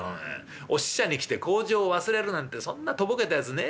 お使者に来て口上を忘れるなんてそんなとぼけたやつねえ。